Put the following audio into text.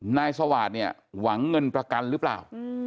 นายสวาสตร์เนี่ยหวังเงินประกันหรือเปล่า